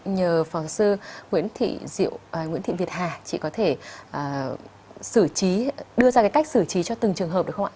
nhờ phó sư nguyễn thị việt hà chị có thể sử trí đưa ra cái cách sử trí cho từng trường hợp được không ạ